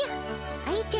愛ちゃん！